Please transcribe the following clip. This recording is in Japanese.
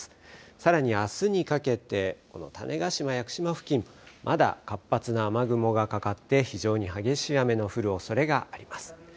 さらにあすにかけて種子島、屋久島付近、まだ活発な雨雲がかかって非常に激しい雨の降るおそれがあります。